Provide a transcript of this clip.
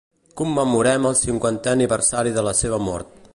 Commemorem el cinquantè aniversari de la seva mort.